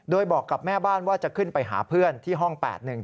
โดยบอกกับแม่บ้านว่าจะขึ้นไปหาเพื่อนที่ห้อง๘๑